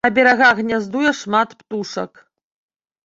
На берагах гняздуе шмат птушак.